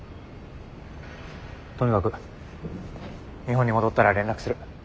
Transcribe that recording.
とにかく日本に戻ったら連絡する。